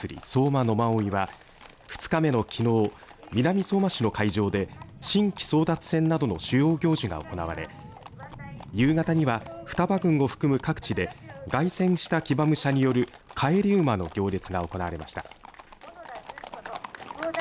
馬追は２日目のきのう南相馬市の会場で神旗争奪戦などの主要行事が行われ夕方には双葉郡を含む各地で凱旋した騎馬武者による帰り馬の行列が行われました。